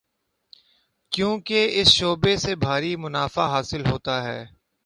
کیونکہ اس شعبے سے بھاری منافع حاصل ہوتا ہے۔